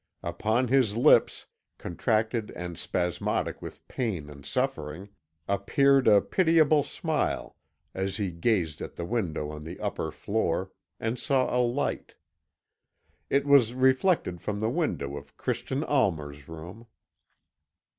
Upon his lips, contracted and spasmodic with pain and suffering, appeared a pitiable smile as he gazed at a window on the upper floor, and saw a light. It was reflected from the window of Christian Almer's room.